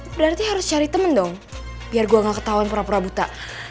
berarti harus cari teman dong biar gue gak ketahuan pura pura buta